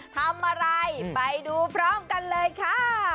ไปดูพร้อมกันเลยค่ะ